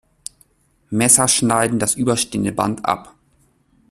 Messer schneiden das überstehende Band ab.